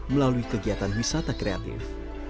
melalui kegiatan wisata kreatif